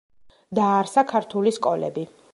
დააარსა ქართული სკოლები.